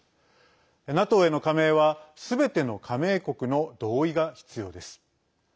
ＮＡＴＯへの加盟はすべての加盟国の同意が必要です。